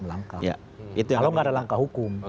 melangkah kalau tidak ada langkah hukum